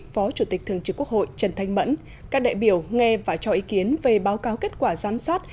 phó chủ tịch thường trực quốc hội trần thanh mẫn các đại biểu nghe và cho ý kiến về báo cáo kết quả giám sát